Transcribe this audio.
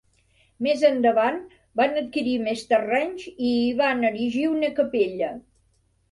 Més endavant van adquirir més terrenys i hi van erigir una capella.